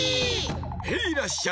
ヘイらっしゃい！